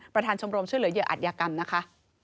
ชมรมช่วยเหลือเหยื่ออัธยากรรมนะคะ